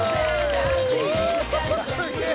すげえ！